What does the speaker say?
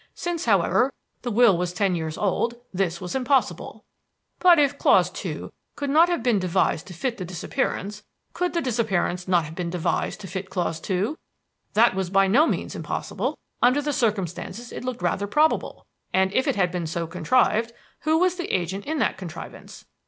Since, however, the will was ten years old, this was impossible. But if clause two could not have been devised to fit the disappearance, could the disappearance not have been devised to fit clause two? That was by no means impossible: under the circumstances it looked rather probable. And if it had been so contrived, who was the agent in that contrivance?